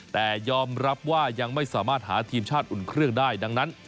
แต่ยอมรับว่ายังไม่สามารถหาทีมชาติอุ่นเครื่องได้ดังนั้น